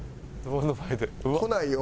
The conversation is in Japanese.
来ないよ。